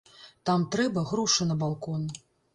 Там трэба грошы на балкон.